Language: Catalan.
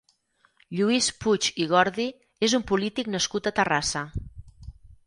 Lluís Puig i Gordi és un polític nascut a Terrassa.